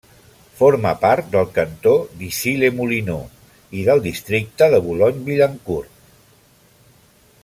Forma part del cantó d'Issy-les-Moulineaux i del districte de Boulogne-Billancourt.